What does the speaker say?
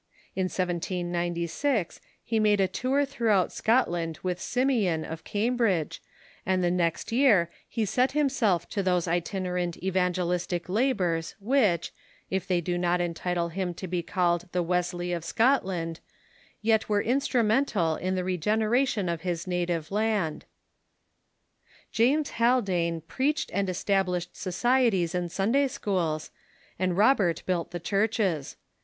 In 1796 he made a tour throughout Scot land with Simeon, of Cambridge, and the next year he set him self to those itinerant evangelistic labors which, if they do not entitle him to be called the Wesley of Scotland, yet were in strumental in the regeneration of his native land. James Hal dane preached and established societies and Sunday schools, and Robert built the churches.